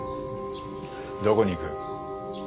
どこに行く？